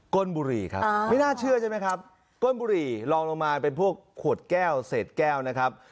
้นบุหรี่ครับไม่น่าเชื่อใช่ไหมครับก้นบุหรี่ลองลงมาเป็นพวกขวดแก้วเศษแก้วนะครับ